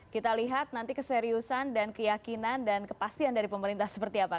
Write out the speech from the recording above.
kita lihat nanti keseriusan dan keyakinan dan kepastian dari pemerintah seperti apa